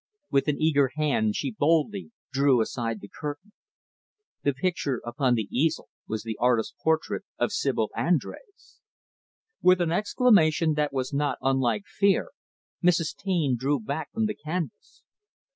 With an eager hand she boldly drew aside the curtain. The picture upon the easel was the artist's portrait of Sibyl Andrés. With an exclamation that was not unlike fear, Mrs. Taine drew back from the canvas.